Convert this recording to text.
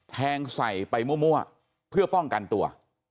แทงใส่ไปมั่วเพื่อป้องกันตัว